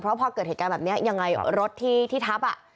เพราะพอเกิดเหตุการณ์แบบนี้ยังไงรถที่ทับอ่ะ